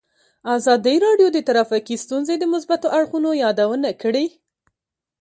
ازادي راډیو د ټرافیکي ستونزې د مثبتو اړخونو یادونه کړې.